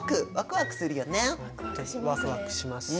ワクワクしますね。